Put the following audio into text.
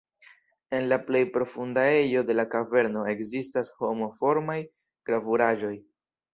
En la plej profunda ejo de la kaverno ekzistas homo-formaj gravuraĵoj.